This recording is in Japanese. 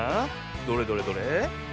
どれどれどれ。